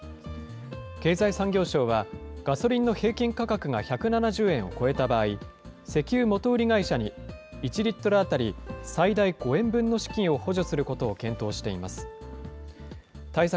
経済産業省は、ガソリンの平均価格が１７０円を超えた場合、石油元売り会社に１リットル当たり、最大５円分の資金を補助することを検討しています。